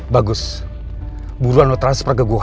bagus buruan atau transfer ke gue